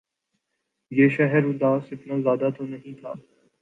یہ شہر اداس اتنا زیادہ تو نہیں تھا